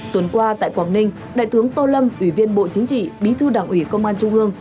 tuần qua tại quảng ninh đại tướng tô lâm ủy viên bộ chính trị bí thư đảng ủy công an trung ương